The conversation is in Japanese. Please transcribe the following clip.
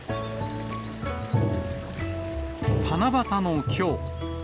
七夕のきょう。